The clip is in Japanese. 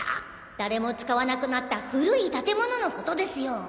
誰も使わなくなった古い建物のことですよ！